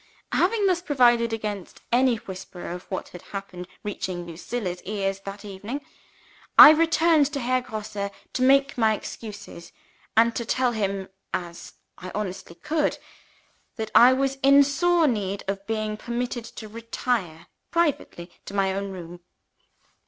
Having thus provided against any whisper of what had happened reaching Lucilla's ears that evening, I returned to Herr Grosse to make my excuses, and to tell him (as I honestly could) that I was in sore need of being permitted to retire privately to my own room.